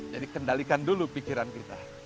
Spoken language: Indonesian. jadi kendalikan dulu pikiran kita